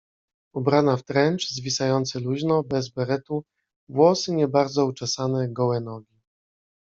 Ubrana w trencz, zwisający luźno, bez beretu, włosy nie bardzo uczesane, gołe nogi.